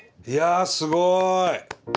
いやすごい。